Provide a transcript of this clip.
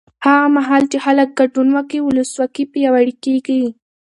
هغه مهال چې خلک ګډون وکړي، ولسواکي پیاوړې کېږي.